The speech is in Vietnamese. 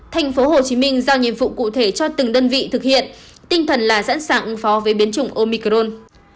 tp hcm giao nhiệm vụ cụ thể cho từng đơn vị thực hiện tinh thần là sẵn sàng ứng phó với biến chủng omicron